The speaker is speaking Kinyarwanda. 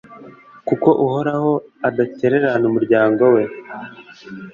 Kuko Uhoraho adatererana umuryango we